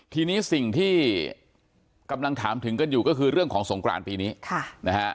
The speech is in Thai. ทีนี้สิ่งที่กำลังถามถึงกันอยู่ก็คือเรื่องของสงกรานปีนี้นะฮะ